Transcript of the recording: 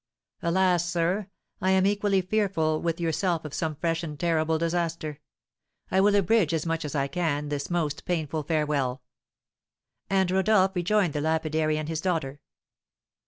"Alas, sir, I am equally fearful with yourself of some fresh and terrible disaster! I will abridge as much as I can this most painful farewell." And Rodolph rejoined the lapidary and his daughter.